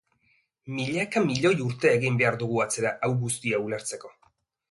Milaka miloi urte egin behar dugu atzera hau guztia ulertzeko.